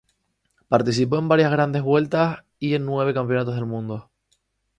Participó en varias Grandes Vueltas y en nueve campeonatos del mundo.